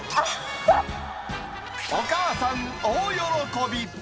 お母さん、大喜び。